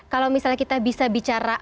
kalau misalnya kita bisa bicara